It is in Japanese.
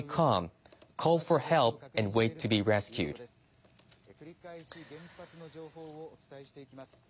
繰り返し原発の情報をお伝えしていきます。